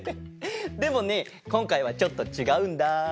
でもねこんかいはちょっとちがうんだ。